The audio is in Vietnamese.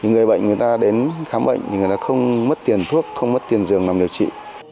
người bệnh người ta đến khám bệnh thì người ta không mất tiền thuốc không mất tiền dường nằm điều trị